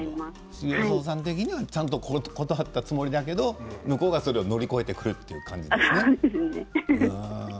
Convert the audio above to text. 修行僧さん的にはちゃんと断ったつもりだけど向こうがそれを乗り越えてくるという感じですね。